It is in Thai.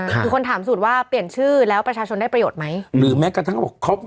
คือคนถามสูตรว่าเปลี่ยนชื่อแล้วประชาชนได้ประโยชน์ไหม